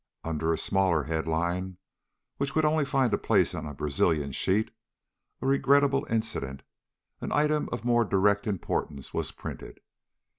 Under a smaller headline which would only find a place on a Brazilian sheet "A Regrettable Incident" an item of more direct importance was printed.